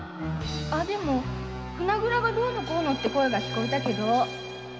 でも船蔵がどうのこうのって聞こえたけど。